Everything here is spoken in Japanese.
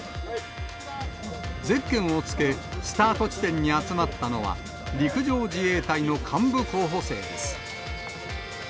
ゼッケンをつけ、スタート地点に集まったのは、陸上自衛隊の幹部候補生です。